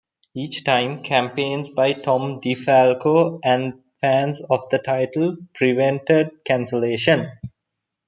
Each time, campaigns by Tom DeFalco and fans of the title prevented cancellation.